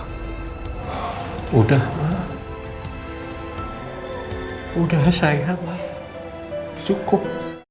sudah ma sudah saya ma cukup